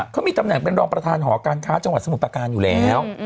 เขามีตำแหน่งเป็นรองประธานหอการค้าจังหวัดสมุทรประการอยู่แล้ว